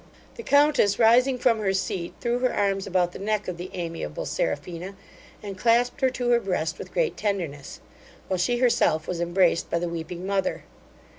The countess rising from her scat threw her arms about the neck of the amiable Seraphina, and clasped her to her breast with great tenderness, while she herself was embraced by the weeping mother.